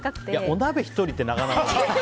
お鍋１人ってなかなかだよ。